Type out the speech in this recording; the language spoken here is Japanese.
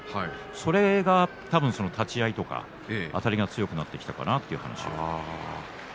それが多分立ち合いとかあたりが強くなってきたかなという話でした。